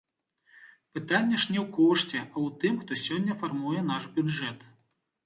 Пытанне ж не ў кошце, а ў тым, хто сёння фармуе наш бюджэт.